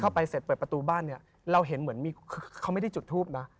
ไปเสร็จเปิดประตูบ้านเนี่ยเราเห็นเหมือนมีคือเขาไม่ได้จุดทูปนะ